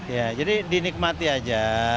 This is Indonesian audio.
ya jadi dinikmati aja